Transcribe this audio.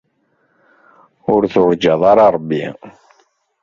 Ur turǧaḍ ara Ṛebbi!